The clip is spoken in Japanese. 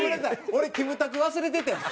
俺キムタク忘れててん。